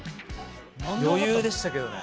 余裕でしたけどね